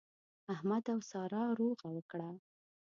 احمد او سارا روغه وکړه.